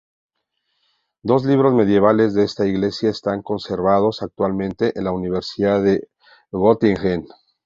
Dos libros medievales de esta iglesia están conservados actualmente en la Universidad de Göttingen.